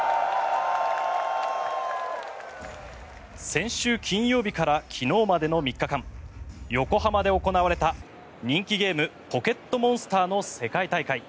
先週金曜日から昨日までの３日間横浜で行われた人気ゲーム「ポケットモンスター」の世界大会。